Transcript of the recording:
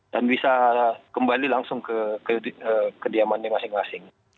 dan bisa kembali langsung ke kediamannya masing masing